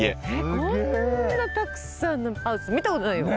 こんなたくさんのハウス見たことないよ。ね！